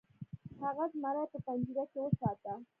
هغه زمری په پنجره کې وساته.